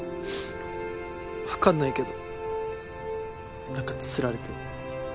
分かんないけどなんかつられて。